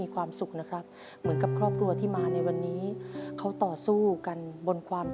๔ครับ